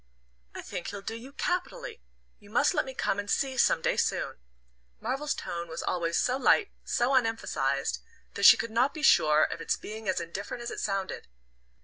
"I think he'll do you capitally you must let me come and see some day soon." Marvell's tone was always so light, so unemphasized, that she could not be sure of its being as indifferent as it sounded.